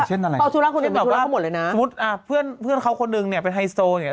ซื้อแบบว่าเพื่อนเขาคนนึงเนี่ย